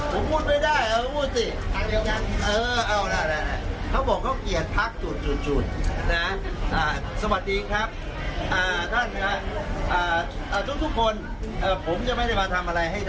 ผมมาพูดเรื่องความร้ายของกัญชาที่ไม่ได้มีความระมัดระหว่าง